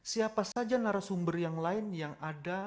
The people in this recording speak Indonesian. siapa saja narasumber yang lain yang ada